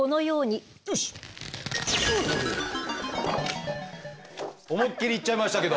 よし。